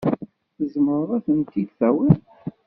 Tzemreḍ ad tent-id-tawiḍ?